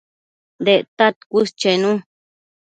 Dectad cuës chenu